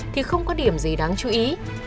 thì không có điểm gì đáng chú ý